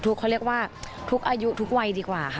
เขาเรียกว่าทุกอายุทุกวัยดีกว่าค่ะ